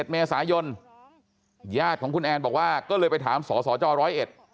เมษายนญาติของคุณแอนบอกว่าก็เลยไปถามสสจร้อยเอ็ด